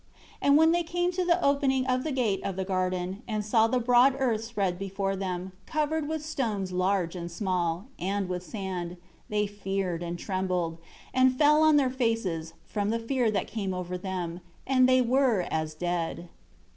2 And when they came to the opening of the gate of the garden, and saw the broad earth spread before them, covered with stones large and small, and with sand, they feared and trembled, and fell on their faces, from the fear that came over them; and they were as dead.